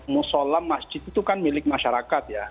musolam masjid itu kan milik masyarakat ya